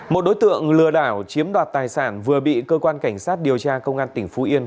một đối tượng lừa đảo chiếm đoạt tài sản vừa bị cơ quan cảnh sát điều tra công an tỉnh phú yên